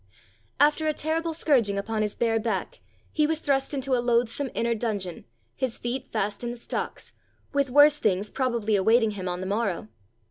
After a terrible scourging upon his bare back, he was thrust into a loathsome inner dungeon, his feet fast in the stocks, with worse things probably awaiting him on the morrow.